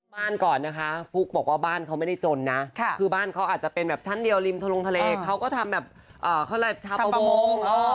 บ้านก่อนนะคะฟุ๊กบอกว่าบ้านเขาไม่ได้จนนะคือบ้านเขาอาจจะเป็นแบบชั้นเดียวริมทะลงทะเลเขาก็ทำแบบชาวประมง